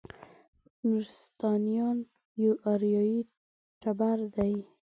نورستانیان یو اریایي ټبر دی.